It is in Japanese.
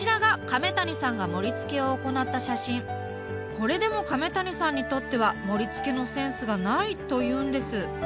これでも亀谷さんにとっては盛り付けのセンスがないというんです。